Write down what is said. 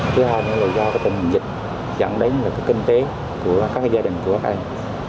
thứ hai là do cái tình dịch dặn đánh là cái kinh tế của các gia đình của các em